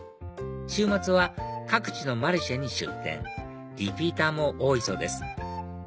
週末は各地のマルシェに出店リピーターも多いそうです